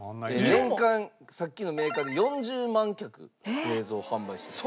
年間さっきのメーカーで４０万脚製造販売してる。